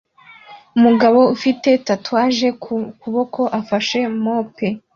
Umugabo ufite tatouage ku kuboko afashe mope